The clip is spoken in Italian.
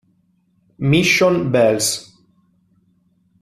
Mission Bells